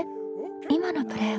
今のプレイは。